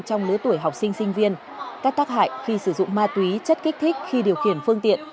trong lứa tuổi học sinh sinh viên các tác hại khi sử dụng ma túy chất kích thích khi điều khiển phương tiện